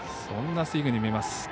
そんなスイングに見えます。